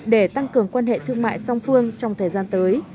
để tăng cường quan hệ thương mại song phương trong thời gian tới